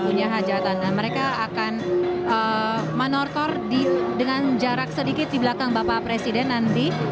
punya hajatana mereka akan menortor di dengan jarak sedikit di belakang bapak presiden nanti